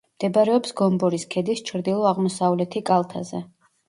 მდებარეობს გომბორის ქედის ჩრდილო-აღმოსავლეთი კალთაზე.